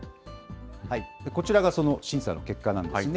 こちらがその審査の結果なんですね。